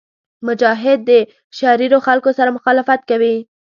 مجاهد د شریرو خلکو سره مخالفت کوي.